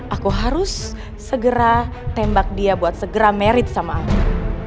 aku harus segera tembak dia buat segera merit sama aku